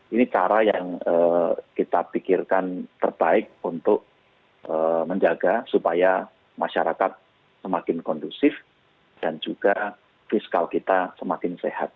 ini cara yang kita pikirkan terbaik untuk menjaga supaya masyarakat semakin kondusif dan juga fiskal kita semakin sehat